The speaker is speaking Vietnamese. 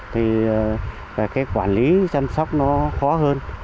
thì cái quản lý chăm sóc nó khó hơn